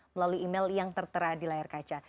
melalui email yang tertera di layar kaca